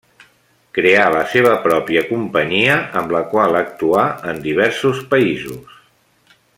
Creà la seva pròpia companyia amb la qual actuà en diversos països.